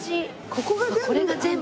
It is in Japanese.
ここが全部。